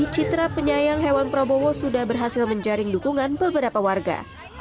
citra penyayang hewan prabowo sudah berhasil menjaring dukungan beberapa warga